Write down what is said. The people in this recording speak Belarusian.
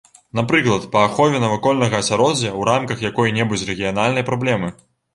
Напрыклад, па ахове навакольнага асяроддзя ў рамках якой-небудзь рэгіянальнай праблемы.